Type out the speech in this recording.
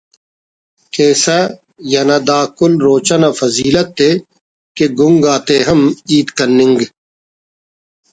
کیسہ یا نہ دا کل روچہ نا فضیلت ءِ کہ گنگ آتے ہم ہیت کننگ